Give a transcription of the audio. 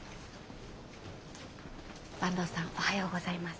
坂東さんおはようございます。